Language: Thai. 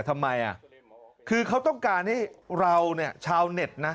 ทำไมอ่ะคือเขาต้องการให้เราเนี่ยชาวเน็ตนะ